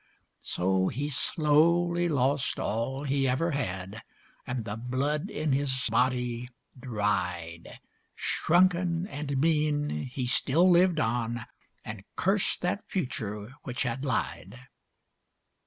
So he slowly lost all he ever had, And the blood in his body dried. Shrunken and mean he still lived on, And cursed that future which had lied.